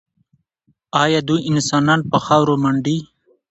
ایا دوی انسانان په خاورو منډي؟